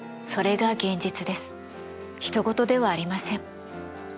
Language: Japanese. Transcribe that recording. ひと事ではありません。